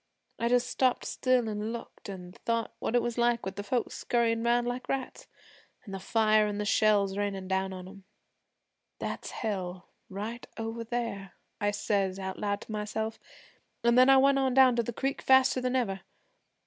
I just stopped still an' looked, an' thought what it was like with the folks scurryin' 'round like rats, an' the fire an' the shells rainin' down on 'em. "That's Hell right over there," I says out loud to myself, an' then I went on down to the creek faster than ever.